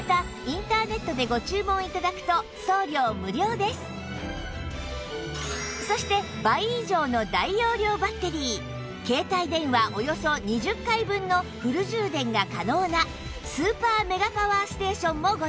またそして倍以上の大容量バッテリー携帯電話およそ２０回分のフル充電が可能なスーパーメガパワーステーションもご用意